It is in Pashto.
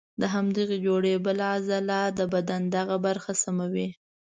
د همدغې جوړې بله عضله د بدن دغه برخه سموي.